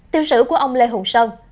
tiêu sử của ông lê hồng sơn